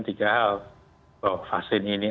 tiga hal bahwa vaksin ini